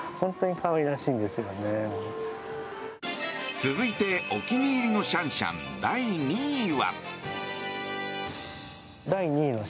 続いてお気に入りのシャンシャン第２位は。